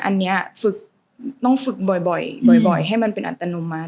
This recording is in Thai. อันนี้ฝึกต้องฝึกบ่อยให้มันเป็นอัตโนมัติ